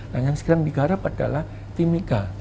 nah yang sekarang digarap adalah timika